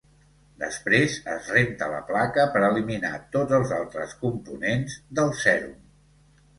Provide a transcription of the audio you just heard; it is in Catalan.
Després es renta la placa per eliminar tots els altres components del sèrum.